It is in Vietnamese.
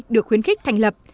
được khuyến khích thành lập